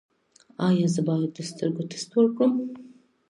ایا زه باید د سترګو ټسټ وکړم؟